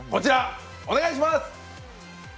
お願いします！